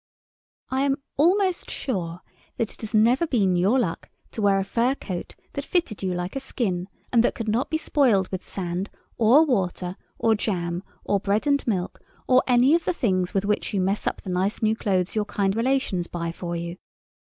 I am almost sure that it has never been your luck to wear a fur coat that fitted you like a skin, and that could not be spoiled with sand or water, or jam, or bread and milk, or any of the things with which you mess up the nice new clothes your kind relations buy for you.